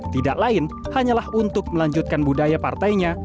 tidak lain hanyalah untuk melanjutkan budaya partainya